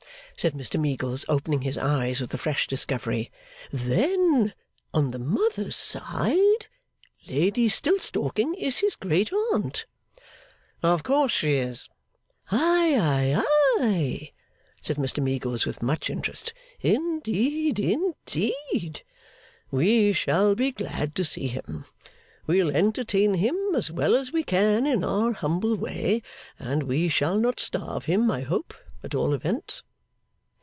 said Mr Meagles, opening his eyes with a fresh discovery. 'Then on the mother's side, Lady Stiltstalking is his great aunt.' 'Of course she is.' 'Aye, aye, aye?' said Mr Meagles with much interest. 'Indeed, indeed? We shall be glad to see him. We'll entertain him as well as we can, in our humble way; and we shall not starve him, I hope, at all events.